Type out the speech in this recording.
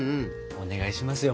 お願いしますよ。